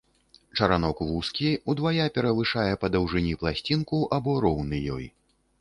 Чаранок вузкі, удвая перавышае па даўжыні пласцінку або роўны ёй.